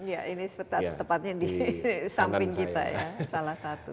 ya ini tepatnya di samping kita ya salah satu